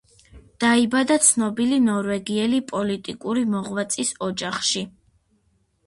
დაიბადა ცნობილი ნორვეგიელი პოლიტიკური მოღვაწის ოჯახში.